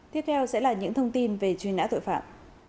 tiếp theo sẽ là những thông tin về truy nã tội phạm